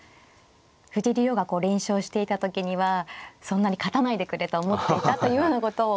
藤井竜王がこう連勝していた時にはそんなに勝たないでくれと思っていたというようなことを。